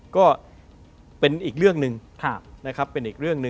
ก็เป็นอีกเรื่องหนึ่ง